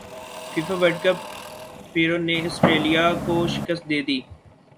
FIFA world cup Peru نے Australia کو شکست دیدی